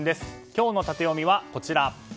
今日のタテヨミは、こちら。